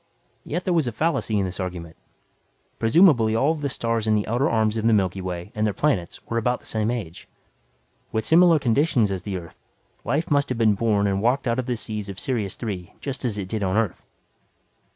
Yet there was a fallacy in the argument. Presumably all of the stars in the outer arms of the Milky Way and their planets were about the same age. With similar conditions as the Earth, life must have been born and walked out of the seas of Sirius Three just as it did on Earth.